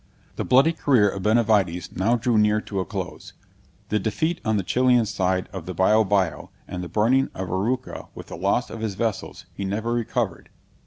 The bloody career of Benavides now drew near to a close. The defeat on the Chilian side of the Biobio, and the burning of Arauca with the loss of his vessels, he never recovered.